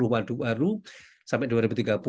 dua puluh waduk aru sampai dua ribu tiga puluh